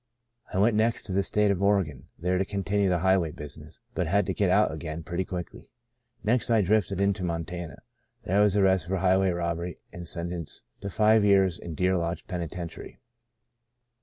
I went next to the state of Oregon, there to continue the highway business, but had to get out again pretty quickly. Next I drifted into Montana. There I was arrested for highway robbery, and sentenced to five years in Dear Lodge Penitentiary.